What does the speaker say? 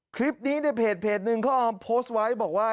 คลิปนี้ในเพจหนึ่งเขาเอาโพสต์ไว้บอกว่า